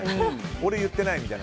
俺言ってないみたいな。